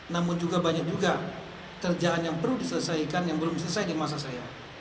namun juga banyak juga kerjaan yang perlu diselesaikan yang belum selesai di masa saya